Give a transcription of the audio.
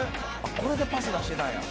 「これでパス出してたんや」